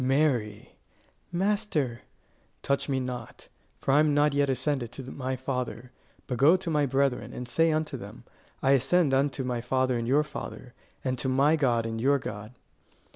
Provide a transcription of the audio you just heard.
"Mary!" "Master!" "Touch me not; for I am not yet ascended to my Father; but go to my brethren, and say unto them, I ascend unto my Father and your Father; and to my God and your God."